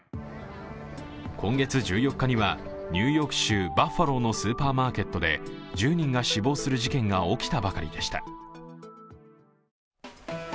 今月１４日にはニューヨーク州バッファローのスーパーマーケットで１０人が死亡する事件が起きたばかりでした。